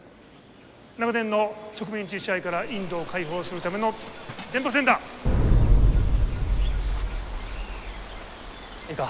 長年の植民地支配からインドを解放するための電波戦だ。いいか？